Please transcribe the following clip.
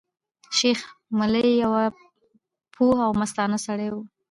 شېخ ملي يو پوه او مستانه سړی وو.